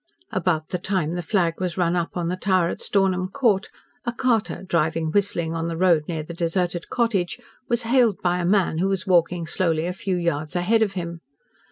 About the time the flag was run up on the tower at Stornham Court a carter, driving whistling on the road near the deserted cottage, was hailed by a man who was walking slowly a few yards ahead of him.